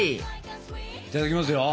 いただきますよ。